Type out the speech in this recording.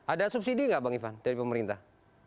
ada subsidi nggak bang ivan dari pemerintah